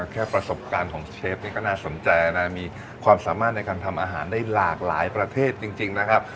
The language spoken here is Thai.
แค่ประสบการณ์ของเชฟนี่ก็น่าสนใจนะมีความสามารถในการทำอาหารได้หลากหลายประเทศจริงนะครับ